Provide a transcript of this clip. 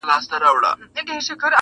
زمری خپلي بې عقلۍ لره حیران سو -